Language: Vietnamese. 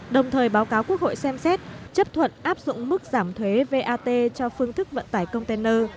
đồng thời báo cáo quốc hội xem xét chấp thuận áp dụng mức giảm thuế vat cho phương thức vận tải container